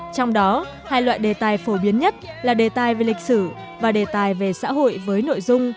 trong đó hai loại đề tài phổ biến nhất là đề tài về lịch sử và đề tài về xã hội với nội dung